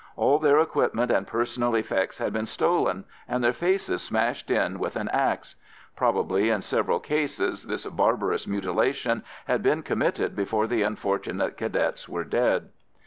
All their equipment and personal effects had been stolen, and their faces smashed in with an axe. Probably in several cases this barbarous mutilation had been committed before the unfortunate Cadets were dead.